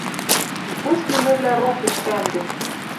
И пусть нӹнӹвлӓ рокеш пӓнгӹт